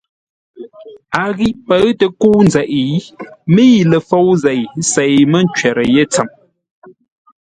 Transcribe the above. A ghî pə̌ʉ tə kə́u nzeʼ, mə́i ləfôu zêi sêi mə́ ncwərə́ yé tsəm.